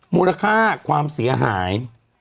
มูลค่าความเสียหาย